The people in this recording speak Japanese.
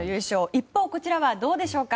一方、こちらはどうでしょうか。